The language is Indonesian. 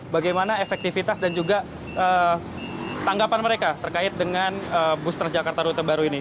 bagaimana efektivitas dan juga tanggapan mereka terkait dengan bus transjakarta rute baru ini